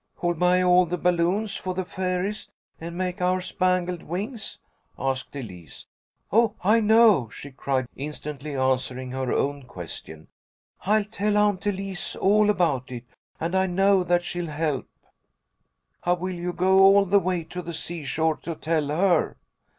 "Who'll buy all the balloons for the fairies, and make our spangled wings?" asked Elise. "Oh, I know," she cried, instantly answering her own question. "I'll tell Aunt Elise all about it, and I know that she'll help." "How will you go all the way to the seashore to tell her?"